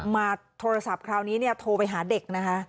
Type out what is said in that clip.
มาโทรศัพท์คราวนี้เนี่ยโทรไปหาเด็กนะคะ